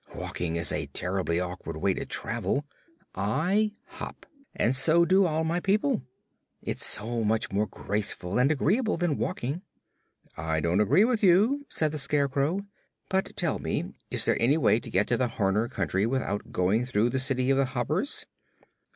"Walking is a terribly awkward way to travel. I hop, and so do all my people. It's so much more graceful and agreeable than walking." "I don't agree with you," said the Scarecrow. "But tell me, is there any way to get to the Horner Country without going through the city of the Hoppers?"